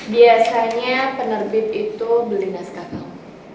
biasanya penerbit itu beli naskah kamu